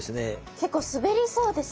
結構滑りそうですね